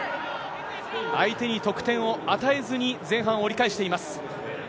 相手に得点を与えずに、前半を折り返しています。